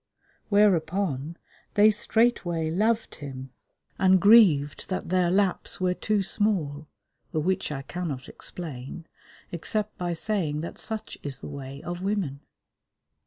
Whereupon, they straightway loved him, and grieved that their laps were too small, the which I cannot explain, except by saying that such is the way of women.